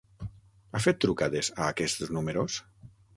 Ha fet trucades a aquests números?